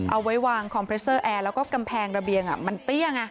เอาไว้วางคอมเพรสเซอร์แอร์แล้วก็กำแพงระเบียงมันเตี้ยไง